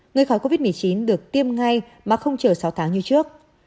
người khỏi covid một mươi chín được tiêm ngay mà không chờ sáu tháng như trước